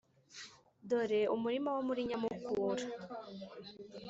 dore umurima wo muri nyamukura